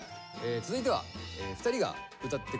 続いては２人が歌ってくれるんですか？